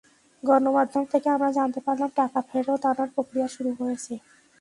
গণমাধ্যম থেকে আমরা জানতে পারলাম, টাকা ফেরত আনার প্রক্রিয়া শুরু হয়েছে।